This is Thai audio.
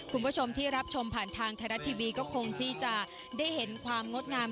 คุณผู้ชมที่รับชมผ่านทางไทยรัฐทีวีก็คงที่จะได้เห็นความงดงาม